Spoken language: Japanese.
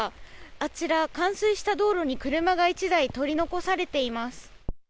あちら、冠水した道路に車が１台取り残されています。